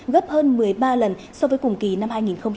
gấp hơn một mươi ba lần so với cùng kỳ năm hai nghìn hai mươi hai